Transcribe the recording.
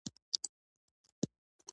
• د غاښونو درملنه د مسکا ساتنه ده.